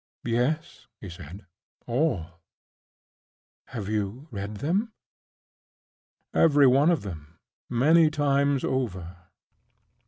"Yes," he said; "all." "Have you read them?" "Every one of them—many times over."